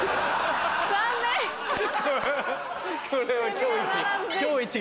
ハハハこれは今日イチ。